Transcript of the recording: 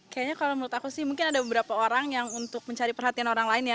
kayaknya kalau menurut aku sih mungkin ada beberapa orang yang untuk mencari perhatian orang lain ya